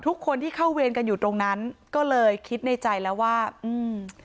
ทุกคนที่เข้าเวรกันอยู่ตรงนั้นก็เลยคิดในใจแล้วว่าอืม